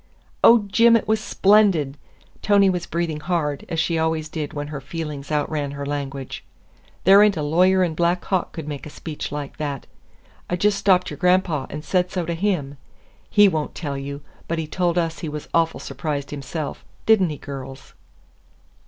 "Oh, Jim, it was splendid!" Tony was breathing hard, as she always did when her feelings outran her language. "There ain't a lawyer in Black Hawk could make a speech like that. I just stopped your grandpa and said so to him. He won't tell you, but he told us he was awful surprised himself, did n't he, girls?"